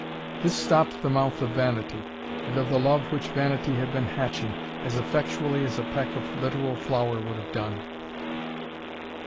This stopped the mouth of vanity, and of the love which vanity had been hatching, as effectually as a peck of literal flour would have done.